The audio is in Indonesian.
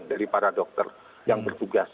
dari para dokter yang bertugas